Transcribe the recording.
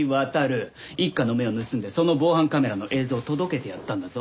一課の目を盗んでその防犯カメラの映像を届けてやったんだぞ。